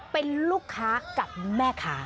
เป็นลูกค้ากับแม่ค้า